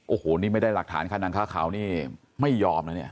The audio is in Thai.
โอ้โหนี่ไม่ได้หลักฐานค่ะนางค้าขาวนี่ไม่ยอมนะ